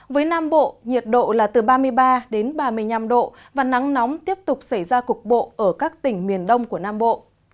với nam bộ nhiệt độ là từ ba mươi ba đến ba mươi năm độ và nắng nóng tiếp tục xảy ra cục bộ ở các tỉnh miền đông của nam bộ